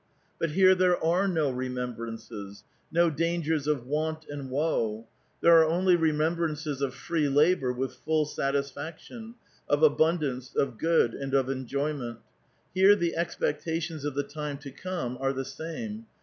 But here there are no remembrances, no dangers of want and woe ; there are only remembrances of free labor with full satisfaction, of abundance, of good, and of enjoyment. Here the exj^ctations of the time to come are the same.